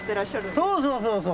そうそうそうそう。